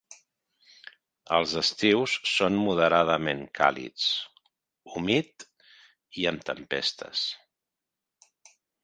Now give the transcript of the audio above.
Els estius són moderadament càlids, humit i amb tempestes.